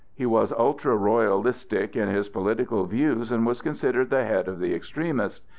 He was ultra Royalistic in his political views and was considered the head of the extremists.